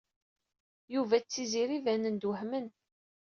Yuba d Tiziri banen-d wehmen.